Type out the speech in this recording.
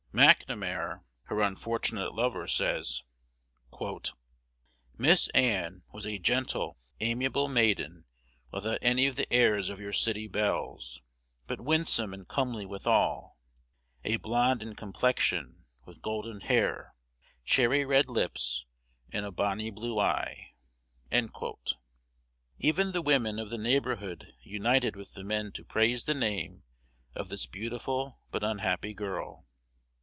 McNamar, her unfortunate lover, says, "Miss Ann was a gentle, amiable maiden, without any of the airs of your city belles, but winsome and comely withal; a blonde in complexion, with golden hair, cherry red lips, and a bonny blue eye." Even the women of the neighborhood united with the men to praise the name of this beautiful but unhappy girl.